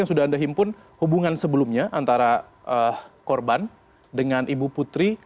yang sudah anda himpun hubungan sebelumnya antara korban dengan ibu putri